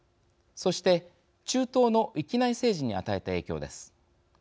そして中東の域内政治に与えた影響です。